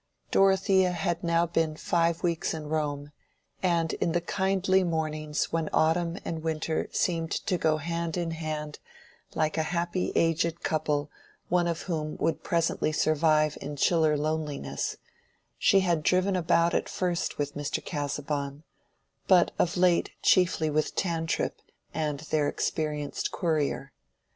Dorothea had now been five weeks in Rome, and in the kindly mornings when autumn and winter seemed to go hand in hand like a happy aged couple one of whom would presently survive in chiller loneliness, she had driven about at first with Mr. Casaubon, but of late chiefly with Tantripp and their experienced courier.